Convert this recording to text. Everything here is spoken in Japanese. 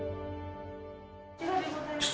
こちらでございます。